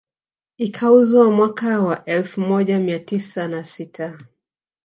Ikauzwa mwaka wa elfu moja mia tisa na sita